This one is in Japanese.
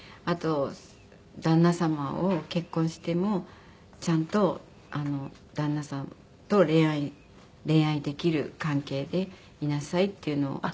あと旦那様を結婚してもちゃんと旦那様と恋愛できる関係でいなさいっていうのを。